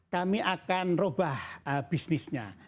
kami akan robah bisnisnya